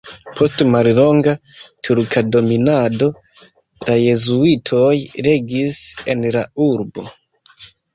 Post mallonga turka dominado la jezuitoj regis en la urbo.